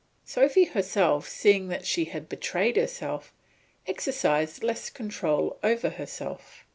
Sophy herself, seeing that she had betrayed herself, exercised less control over herself.